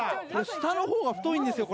下のほうが太いんですよ